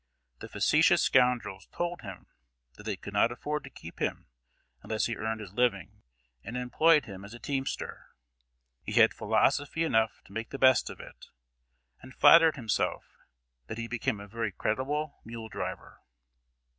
The facetious scoundrels told him that they could not afford to keep him unless he earned his living; and employed him as a teamster. He had philosophy enough to make the best of it, and flattered himself that he became a very creditable mule driver.